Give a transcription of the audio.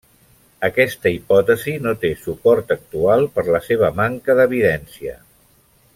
Aquesta hipòtesi no té suport actual per la seva manca d'evidència.